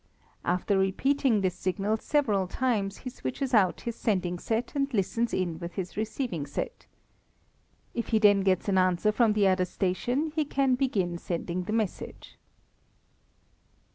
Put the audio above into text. After repeating these signals several times he switches out his sending set and listens in with his receiving set. If he then gets an answer from the other station he can begin sending the message.